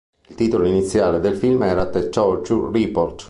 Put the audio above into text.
Il titolo iniziale del film era "The Torture Report".